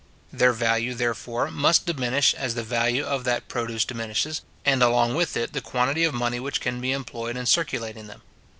Their value, therefore, must diminish as the value of that produce diminishes, and along with it the quantity of money which can be employed in circulating them.